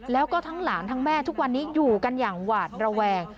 แล้วก็ทั้งหลานทั้งแม่ทุกวันนี้อยู่กันอย่างหวาดระแวง